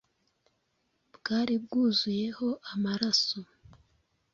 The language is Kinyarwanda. bwari bwuzuyeho amaraso